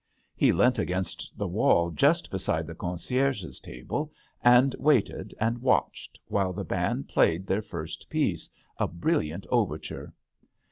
He leant against the wall just beside the concierge's table, and waited and watched while the band played their first piece — a brilliant overture.